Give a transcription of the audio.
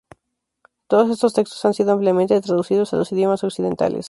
Todos estos textos han sido ampliamente traducidos a los idiomas occidentales.